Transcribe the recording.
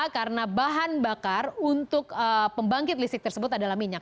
karena bahan bakar untuk pembangkit listrik tersebut adalah minyak